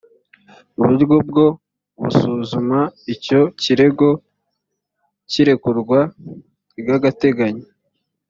uburyo bwo busuzuma icyo kirego cy irekurwa ry agateganyo